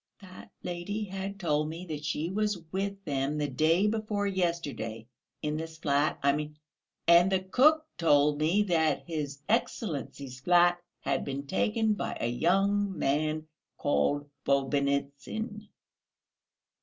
that lady had told me that she was with them the day before yesterday, in this flat I mean ... and the cook told me that his Excellency's flat had been taken by a young man called Bobynitsyn...."